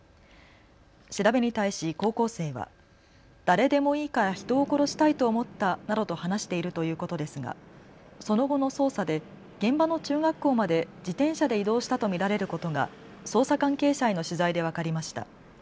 調べに対し高校生は誰でもいいから人を殺したいと思ったなどと話しているということですがその後の捜査で現場の中学校まで自転車で移動したと見られることが捜査関係者への取材で分かりました。